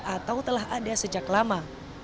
atau telah ada sejak lama